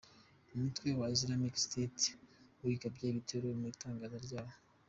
Umutwe wa Islamic State wigambye ibitero mu itangazo ryawo .